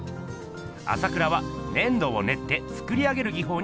朝倉は粘土をねって作り上げる技法に魅せられます。